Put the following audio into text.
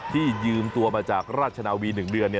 ที่ยืมตัวมาจากราชนาวี๑เดือน